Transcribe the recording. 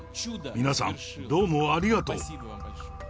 皆さん、どうもありがとう。